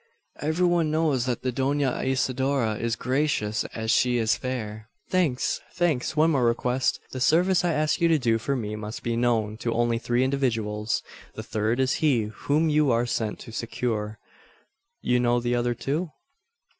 "Every one knows that the Dona Isidora is gracious as she is fair." "Thanks thanks! One more request. The service I ask you to do for me must be known to only three individuals. The third is he whom you are sent to succour. You know the other two?"